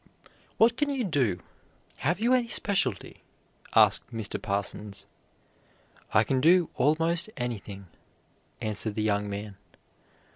"What can you do? Have you any specialty?" asked Mr. Parsons. "I can do almost anything," answered the young man.